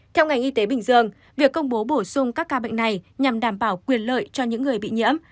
theo ngành y tế bình dương việc công bố bổ sung các ca bệnh này nhằm đảm bảo quyền lợi cho những người bị nhiễm